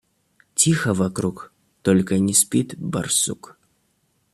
Тихо вокруг, только не спит барсук.